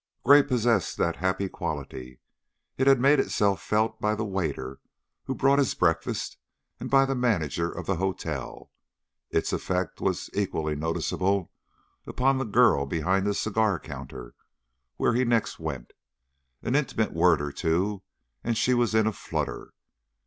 Gray possessed that happy quality. It had made itself felt by the waiter who brought his breakfast and by the manager of the hotel; its effect was equally noticeable upon the girl behind the cigar counter, where he next went. An intimate word or two and she was in a flutter.